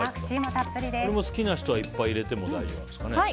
好きな人はいっぱい入れて大丈夫ですかね。